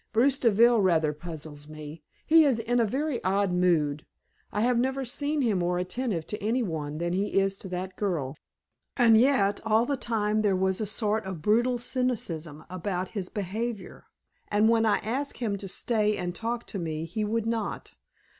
Bruce Deville rather puzzles me. He is in a very odd mood. I have never seen him more attentive to any one than he is to that girl, and yet all the time there was a sort of brutal cynicism about his behavior, and when I asked him to stay and talk to me he would not.